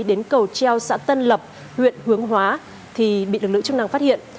đến cầu treo xã tân lập huyện hướng hóa thì bị lực lượng chức năng phát hiện